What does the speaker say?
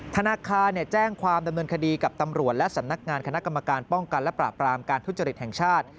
ธนาคารแจ้งความดำเนินคดีกับตำรวจและสำนักงานคณะกรรมการป้องกันและปราบรามการทุจริตแห่งชาติ